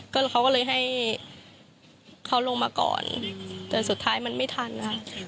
ก็เลยเขาก็เลยให้เขาลงมาก่อนแต่สุดท้ายมันไม่ทันค่ะ